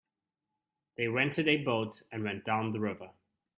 They rented a boat and went down the river.